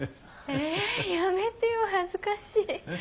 えやめてよ恥ずかしい。